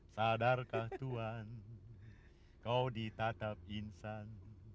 sadarkah tuhan kau ditatap insan